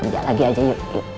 anjak lagi aja yuk